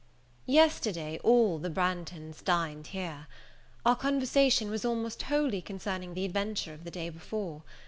YESTERDAY all the Branghtons dined here. Our conversation was almost wholly concerning the adventure of the day before.